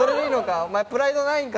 お前プライドないんか？